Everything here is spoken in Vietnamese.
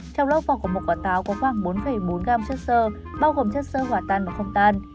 trong lớp vỏ của một quả táo có khoảng bốn bốn gam chất sơ bao gồm chất sơ hỏa tan và không tan